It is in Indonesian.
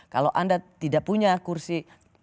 kalau anda tidak punya kursi